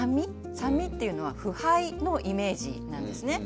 酸味っていうのは腐敗のイメージなんですね。